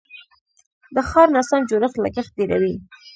د ښار ناسم جوړښت لګښت ډیروي.